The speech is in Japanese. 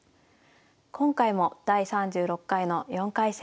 今回も第３６回の４回戦。